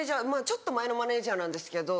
ちょっと前のマネジャーなんですけど。